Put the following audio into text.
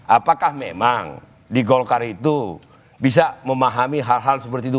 apakah memang di golkar itu bisa memahami hal hal seperti itu